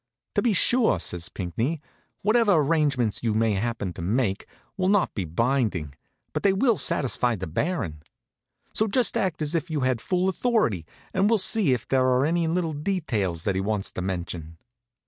"To be sure," says Pinckney, "whatever arrangements you may happen to make will not be binding, but they will satisfy the Baron. So just act as if you had full authority, and we'll see if there are any little details that he wants to mention."